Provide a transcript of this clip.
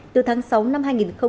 từ tháng sáu năm hai nghìn năm